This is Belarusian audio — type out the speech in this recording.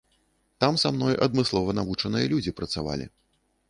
Там са мной адмыслова навучаныя людзі працавалі.